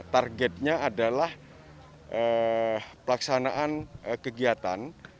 targetnya adalah pelaksanaan kegiatan